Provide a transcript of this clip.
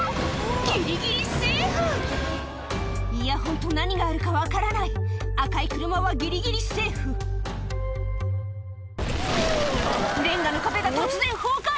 ギリギリセーフいやホント何があるか分からない赤い車はギリギリセーフレンガの壁が突然崩壊！